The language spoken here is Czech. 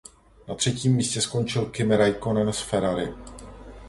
Na třetím místě skončil Kimi Räikkönen s Ferrari.